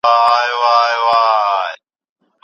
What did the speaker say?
تاریخ ولولئ.